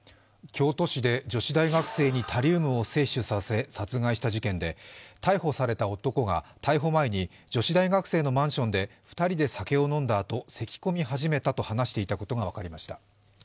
京都市で女子大学生にタリウムを摂取させ殺害した事件で、逮捕された男が逮捕前に女子大学生のマンションで２人で酒を飲んだあと、せき込み始めたと話していたことが分かりました。